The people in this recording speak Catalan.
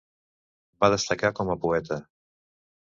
Va destacar com a poeta.